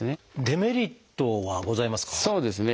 デメリットはございますか？